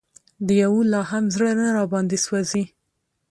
د یوه لا هم زړه نه راباندې سوزي